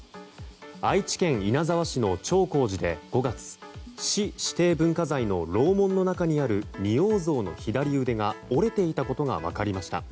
愛知県稲沢市の長光寺で５月市指定文化財の楼門の中にある仁王像の左腕が折れていたことが分かりました。